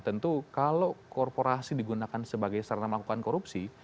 tentu kalau korporasi digunakan sebagai sarana melakukan korupsi